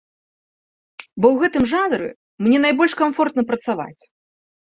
Бо ў гэтым жанры мне найбольш камфортна працаваць.